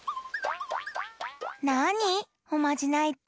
なに？おまじないって。